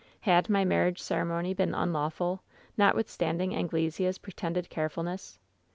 Had my marriage ceremony been unlawful, notwithstanding Anglesea's pretended carefulness?